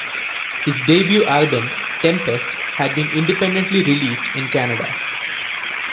His debut album "Tempest" had been independently released in Canada.